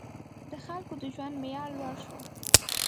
• د خلکو د ژوند معیار لوړ شو.